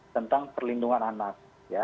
tentang perlindungan anak